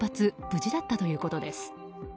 無事だったということです。